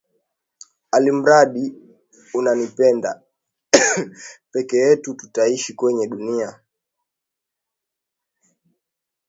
Alimradi unanipenda, peke yetu tutaishi kwenye dunia.